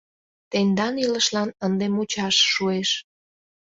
— Тендан илышлан ынде мучаш шуэш.